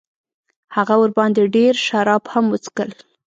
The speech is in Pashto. هغه ورباندې ډېر شراب هم وڅښل.